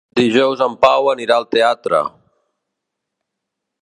Dijous en Pau anirà al teatre.